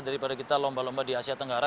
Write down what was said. daripada kita lomba lomba di asia tenggara